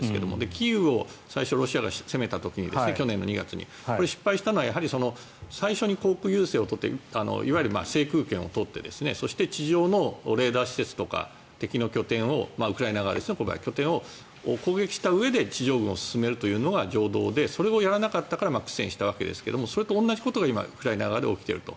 キーウを最初ロシアが攻めた時に去年２月に、失敗したのは最初に航空優勢を取っていわゆる制空権を取って地上のレーダー施設とか敵の拠点をウクライナ側の拠点を攻撃したうえで地上軍を進めるというのが常道でそれをやらなかったから苦戦したわけですがそれと同じことが今ウクライナ側で起きていると。